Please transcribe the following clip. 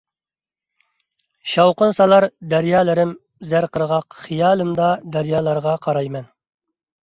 شاۋقۇن سالار دەريالىرىم زەر قىرغاق، خىيالىمدا دەريالارغا قاراي مەن.